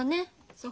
そう。